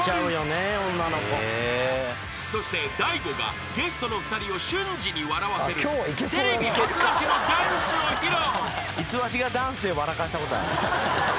［そして大悟がゲストの２人を瞬時に笑わせるテレビ初出しのダンスを披露］